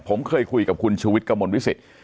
ผมเคยคุยกับคุณชูวิทย์กระมวลวิสิต